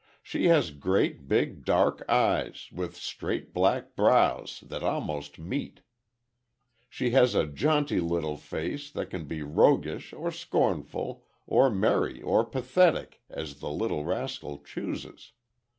She has great big dark eyes, with straight black brows that almost meet. She has a jaunty little face, that can be roguish or scornful or merry or pathetic as the little rascal chooses.